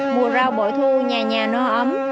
mùa rau bội thu nhà nhà nó ấm